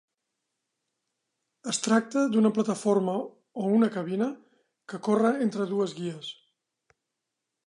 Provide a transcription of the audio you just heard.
Es tracta d'una plataforma o una cabina que corre entre dues guies.